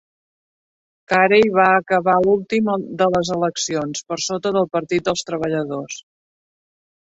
Carey va acabar últim de les eleccions, per sota del Partit dels Treballadors.